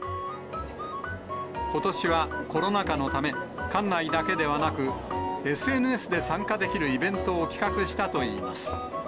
ことしはコロナ禍のため、館内だけではなく、ＳＮＳで参加できるイベントを企画したといいます。